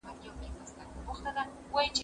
سندري ووايه؟!